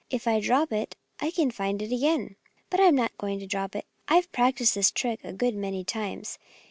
If I drop it I can find it again. But I'm not going to drop it. I've practiced this trick a good many times....